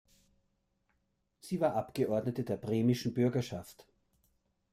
Sie war Abgeordnete der Bremischen Bürgerschaft.